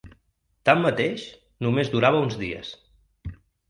Tanmateix, només durava uns dies.